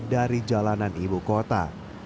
dari jalanan ibu kota